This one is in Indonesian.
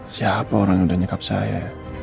siapa orang yang udah nyekap saya